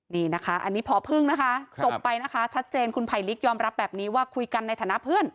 นี่นะคะอันนี้พอพึ่งนะคะจบไปนะคะชัดเจนคุณไผลลิกยอมรับแบบนี้ว่าคุยกันในฐานะเพื่อน